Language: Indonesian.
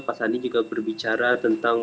pak sandi juga berbicara tentang